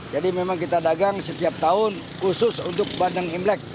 jadi memang kita dagang setiap tahun khusus untuk bandeng imlek